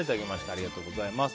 ありがとうございます。